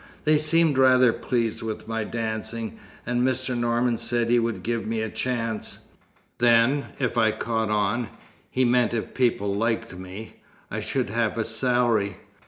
They seemed rather pleased with my dancing, and Mr. Norman said he would give me a chance. Then, if I 'caught on' he meant if people liked me I should have a salary.